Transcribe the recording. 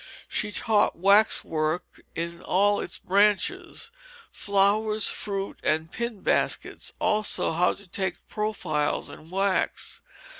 She taught "waxworks in all its branches"; flowers, fruit, and pin baskets, also "how to take profiles in wax."